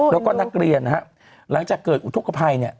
แล้วก็นักเรียนนะครับหลังจากเกิดอุทธกภัยเนี่ย